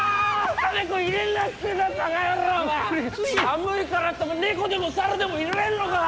寒いからって猫でも猿でも入れんのか！？